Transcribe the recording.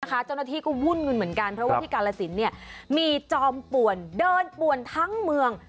เจ้าหน้าที่ก็วุ่นกันเหมือนกันเพราะว่าที่กาลสินมีจอมป่วนเดินป่วนทั้งเมือง